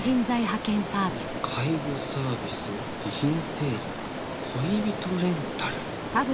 「介護サービス」「遺品整理」「恋人レンタル」。